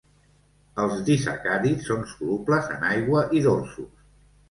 Els disacàrids són solubles en aigua i dolços.